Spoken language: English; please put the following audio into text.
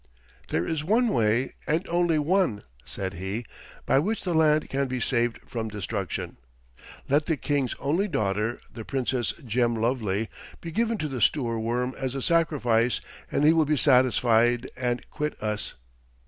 "There is one way, and only one," said he, "by which the land can be saved from destruction. Let the King's only daughter, the Princess Gemlovely, be given to the Stoorworm as a sacrifice, and he will be satisfied and quit us."